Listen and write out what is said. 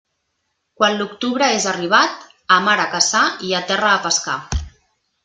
Quan l'octubre és arribat, a mar a caçar i a terra a pescar.